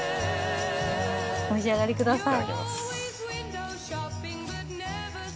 お召し上がりください。